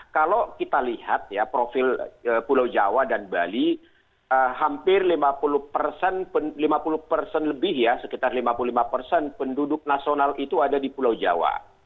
kalau kita lihat ya profil pulau jawa dan bali hampir lima puluh persen lebih ya sekitar lima puluh lima persen penduduk nasional itu ada di pulau jawa